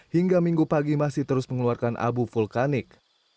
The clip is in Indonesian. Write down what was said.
hingga minggu pagi masih terus mengeluarkan abu vulkanik